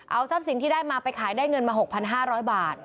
เอาทรัพย์สินที่ได้มาไปขายได้เงินมา๖๕๐๐บาท